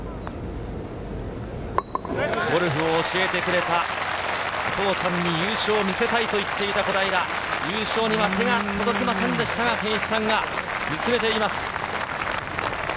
ゴルフを教えてくれたお父さんに優勝を見せたいと言っていた小平、優勝には手が届きませんでしたが、父・健一さんが見つめています。